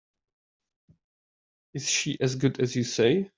Is she as good as you say?